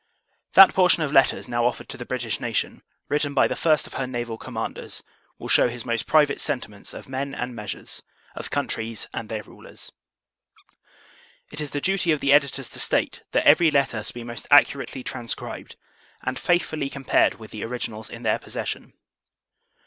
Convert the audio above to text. That portion of Letters now offered to the BRITISH NATION, written by the first of her Naval Commanders, will shew his most private sentiments of men and measures, of countries and their rulers. It is the duty of the Editors to state, that every letter has been most accurately transcribed, and faithfully compared with the originals in their possession.